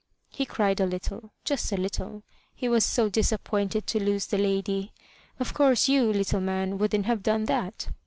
He cried a little, just a little, he was so disappointed to lose the lady: of course, you, little man, wouldn't have done that!